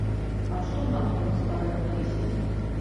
А што наконт старых песень?